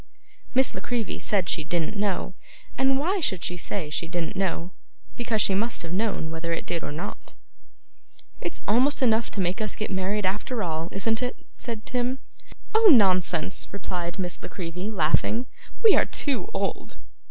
Miss La Creevy said she didn't know. And why should she say she didn't know? Because she must have known whether it did or not. 'It's almost enough to make us get married after all, isn't it?' said Tim. 'Oh, nonsense!' replied Miss La Creevy, laughing. 'We are too old.